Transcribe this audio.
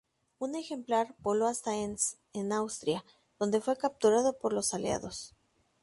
Un ejemplar voló hasta Enns, en Austria, donde fue capturado por los aliados.